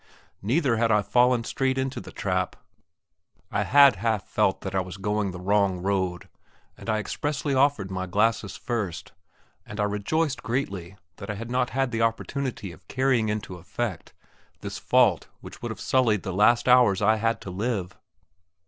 Neither had I fallen straight into the trap. I had half felt that I was going the wrong road, and I expressly offered my glasses first, and I rejoiced greatly that I had not had the opportunity of carrying into effect this fault which would have sullied the last hours I had to live.